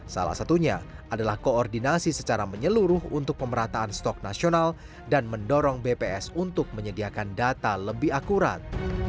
salah satunya adalah koordinasi secara menyeluruh untuk pemerataan stok nasional dan mendorong bps untuk menyediakan data lebih akurat